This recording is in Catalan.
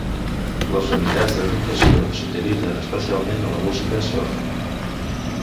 Les unitats de vibrato s'utilitzen especialment a la música surf.